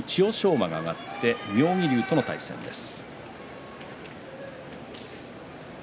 馬が上がって妙義龍との対戦です。